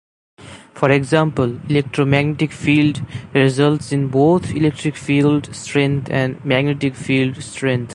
For example, electromagnetic field results in both electric field strength and magnetic field strength.